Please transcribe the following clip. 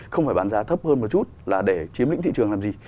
không phải bán giá thấp hơn một chút là để chiếm lĩnh thị trường làm gì